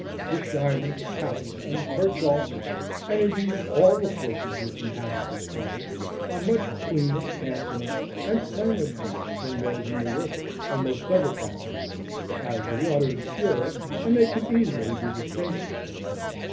The shiners, pouts, and perch also, and indeed all the fishes which inhabit this pond, are much cleaner, handsomer, and firmer fleshed than those in the river and most other ponds, as the water is purer, and they can easily be distinguished from them.